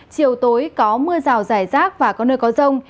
chiều tối có mưa rào rải rác và có nơi có rông